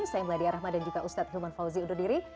saya meladya rahman dan juga ustadz hilman fauzi ududiri